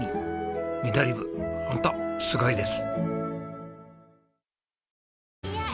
ミドリブホントすごいです。